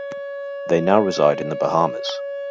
They now reside in The Bahamas.